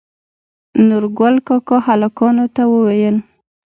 نورګل کاکا هلکانو ته وويل